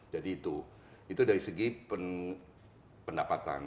jadi itu itu dari segi pendapatan